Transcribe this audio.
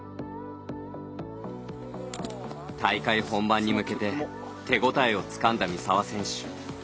大会本番に向けて手応えをつかんだ三澤選手。